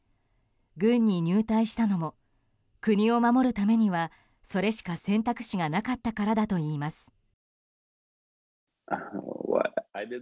軍に入隊したのも国を守るためにはそれしか選択肢がなかったからだといいます。